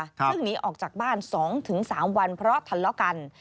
ซึ่งหนีออกจากบ้าน๒๓วันเพราะทะเลาะกัน